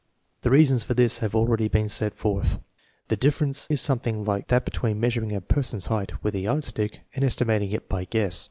The reasons for this have already been set forth. 5 The difference is some thing like that between measuring a person's height with a yardstick and estimating it by guess.